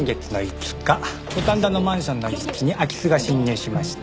五反田のマンションの一室に空き巣が侵入しました。